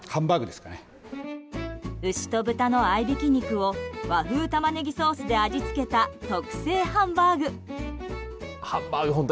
牛と豚の合いびき肉を和風タマネギソースで味付けた特製ハンバーグ。